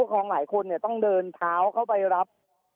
ก็ต้องพวกคนเนี่ยมัดต้องเดินเท้าเข้าไปรับ